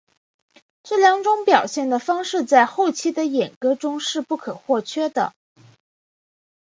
这两种表现的方法在后期的演歌中是不可或缺的。